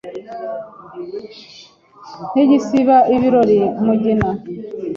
Ntigisiba ibirori Mugina